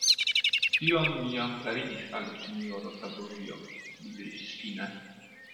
Tion mi jam klarigis al sinjoro Taburio, li diris fine.